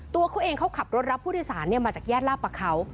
ตัวเขาเองเขาขับรถรับผู้โดยสารมาจากแยกลาบประเขา